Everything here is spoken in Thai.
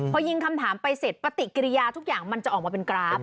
พอยิงคำถามไปเสร็จปฏิกิริยาทุกอย่างมันจะออกมาเป็นกราฟ